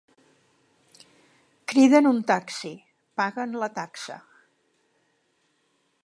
Criden un taxi, paguen la taxa.